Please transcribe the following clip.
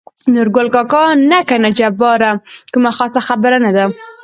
نورګل کاکا: نه کنه جباره کومه خاصه خبره نه ده.